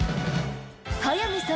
速水さん